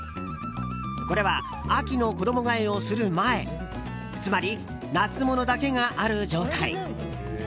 これは秋の衣替えをする前つまり、夏物だけがある状態。